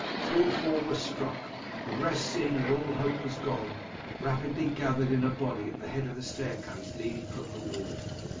Three or four were struck, the rest, seeing that all hope was gone, rapidly gathered in a body at the head of the staircase leading from the wall.